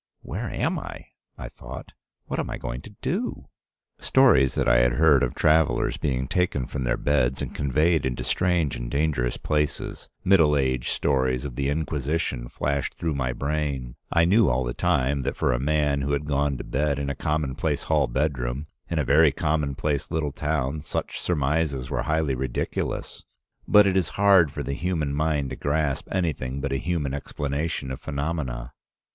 'Where am I?' I thought. 'What am I going to do?' Stories that I had heard of travelers being taken from their beds and conveyed into strange and dangerous places, Middle Age stories of the Inquisition flashed through my brain. I knew all the time that for a man who had gone to bed in a commonplace hall bedroom in a very commonplace little town such surmises were highly ridiculous, but it is hard for the human mind to grasp anything but a human explanation of phenomena.